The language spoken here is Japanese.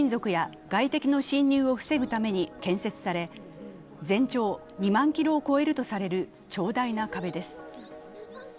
異民族や外敵の侵入を防ぐために建設され、全長２万キロを超えるとされる長大な壁です。